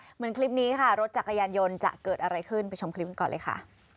เหมือนคลิปนี้ค่ะรถจักรยานยนต์จะเกิดอะไรขึ้นไปชมคลิปกันก่อนเลยค่ะ